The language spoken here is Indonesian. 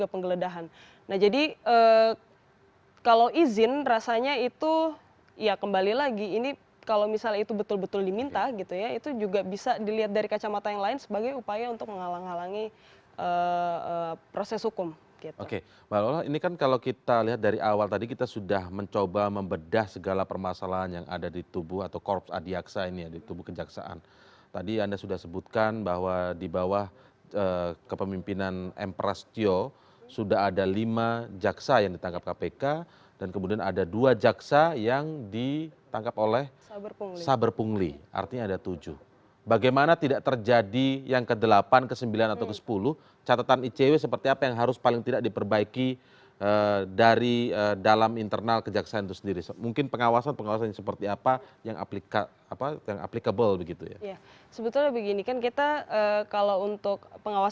permasalahan yang terjadi di dalam internal kejaksaan itu sendiri mungkin pengawasan pengawasan yang seperti apa yang